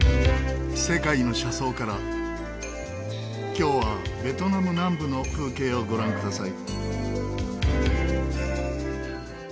今日はベトナム南部の風景をご覧ください。